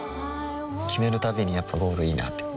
決めるたびにやっぱゴールいいなってふん